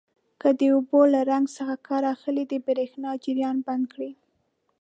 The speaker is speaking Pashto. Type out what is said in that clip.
که د اوبو له رنګ څخه کار اخلئ د بریښنا جریان بند کړئ.